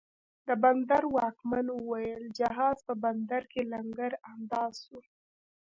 د بندر واکمن اوویل، جهاز په بندر کې لنګر انداز سو